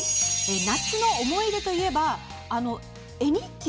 「夏の思い出」といえば、絵日記。